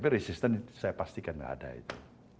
tapi resisten itu saya pastikan enggak ada itu